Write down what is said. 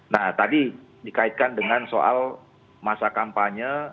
nah tadi dikaitkan dengan soal masa kampanye